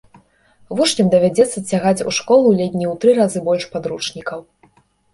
Вучням давядзецца цягаць у школу ледзь не ў тры разы больш падручнікаў.